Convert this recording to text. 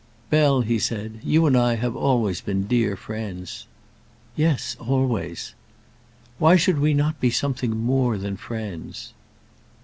"Bell," he said, "you and I have always been dear friends." "Yes; always." "Why should we not be something more than friends?"